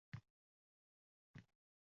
Uning ummonida cho’milib yashashday gap.